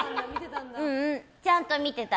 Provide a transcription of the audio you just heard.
ううん、ちゃんと見てた。